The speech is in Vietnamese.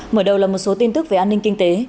mở đầu là một số tin tức về an ninh kinh tế